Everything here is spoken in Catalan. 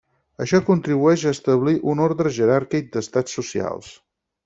Això contribueix a establir un ordre jeràrquic d'estats socials.